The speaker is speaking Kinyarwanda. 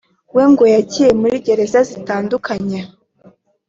we ngo yagiye muri gereza zitandukanye